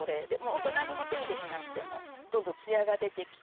何も手入れしなくてもどんどんつやが出てきて。